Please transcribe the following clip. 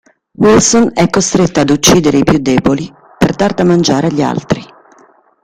Wilson è costretto ad uccidere i più deboli per dar da mangiare agli altri.